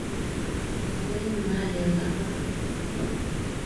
Пален нале-ла!